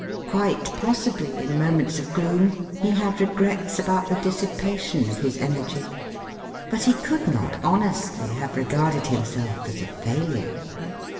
Quite possibly, in moments of gloom, he had regrets about the dissipation of his energy. But he could not honestly have re garded himself as a failure.